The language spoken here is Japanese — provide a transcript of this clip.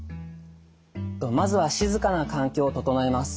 まずは静かな環境を整えます。